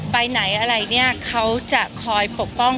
ไปไหนอะไรเนี่ยเขาจะคอยปกป้อง